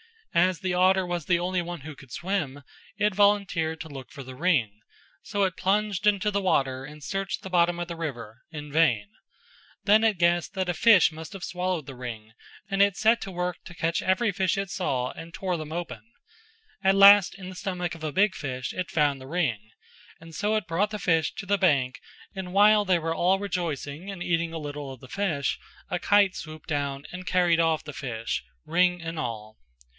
As the otter was the only one who could swim it volunteered to look for the ring, so it plunged into the water and searched the bottom of the river in vain; then it guessed that a fish must have swallowed the ring and it set to work to catch every fish it saw and tore them open; at last in the stomach of a big fish it found the ring, so it brought the fish to the bank and while they were all rejoicing and eating a little of the fish a kite swooped down and carried off the fish, ring and all.